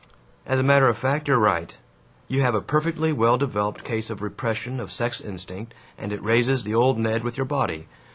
"As a matter of fact, you're right. You have a perfectly well developed case of repression of sex instinct, and it raises the old Ned with your body.